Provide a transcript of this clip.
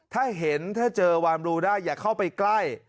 ถ้าเห็นถ้าเจอวามรูได้อย่าเข้าไปใกล้